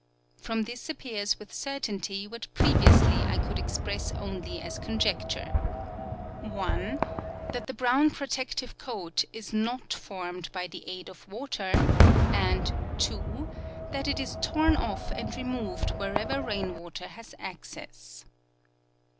From this appears with certainty what previously I could express only as conjecture: (1) That the brown protective coat is not formed by the aid of water, and — (2) That it is torn off and removed wherever rainwater has access.